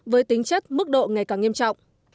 với tính chất mức độ ngày càng nghiêm trọng